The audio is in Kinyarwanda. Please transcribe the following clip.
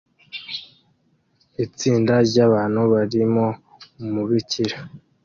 Itsinda ryabantu barimo umubikira